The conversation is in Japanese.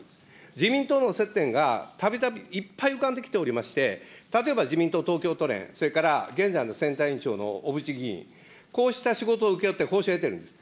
自民党の接点がたびたび、いっぱい浮かんできておりまして、例えば、自民党東京都連、それから、現在の選対委員長の小渕議員、こうした仕事を請け負って報酬を得てるんです。